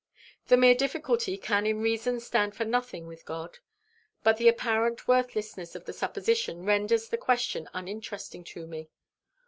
The mere difficulty can in reason stand for nothing with God; but the apparent worthlessness of the supposition renders the question uninteresting to me.